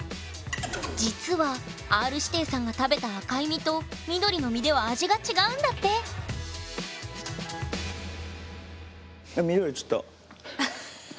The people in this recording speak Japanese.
実はＲ−指定さんが食べた赤い実と緑の実では味が違うんだって緑ちょっと。